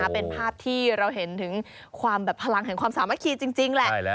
เป็นภาพที่เราเห็นถึงความแบบพลังแห่งความสามัคคีจริงแหละ